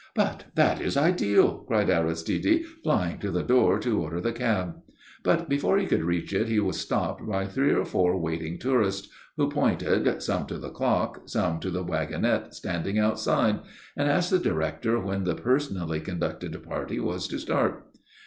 "But that is ideal!" cried Aristide, flying to the door to order the cab; but before he could reach it he was stopped by three or four waiting tourists, who pointed, some to the clock, some to the wagonette standing outside, and asked the director when the personally conducted party was to start.